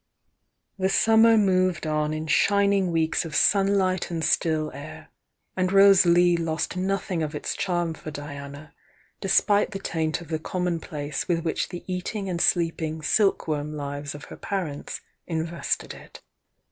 The summer moved on in shining weeks of sun 48 THE YOUNG DIANA Ji light and still air, and Rose Lea lost nothing of its charm for Diana, despite the taint of the common place with which the eating and sleeping silkworm lives of her parents invested it.